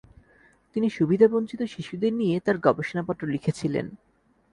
তিনি সুবিধাবঞ্চিত শিশুদের নিয়ে তার গবেষণাপত্র লিখেছিলেন।